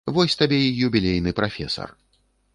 Вось табе і юбілейны прафесар.